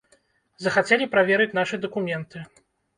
Захацелі праверыць нашы дакументы.